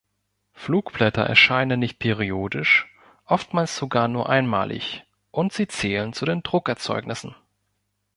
Flugblätter erscheinen nicht periodisch, oftmals sogar nur einmalig, und sie zählen zu den Druckerzeugnissen.